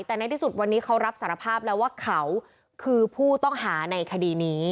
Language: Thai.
แต่ในที่สุดวันนี้เขารับสารภาพแล้วว่าเขาคือผู้ต้องหาในคดีนี้